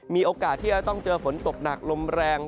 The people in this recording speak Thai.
มีโอกาสที่จะต้องเจอฝนตกหนักลมแรง